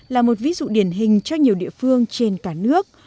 là một ví dụ điển hình cho nhiều địa phương trên cả nước